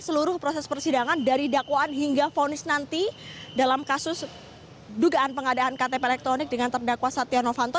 seluruh proses persidangan dari dakwaan hingga fonis nanti dalam kasus dugaan pengadaan ktp elektronik dengan terdakwa setia novanto